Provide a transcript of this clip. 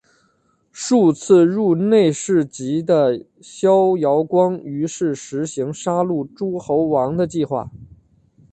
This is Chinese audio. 数次入内侍疾的萧遥光于是施行杀戮诸侯王的计划。